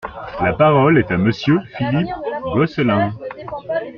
La parole est à Monsieur Philippe Gosselin.